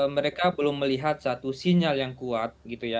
mereka belum melihat satu sinyal yang kuat gitu ya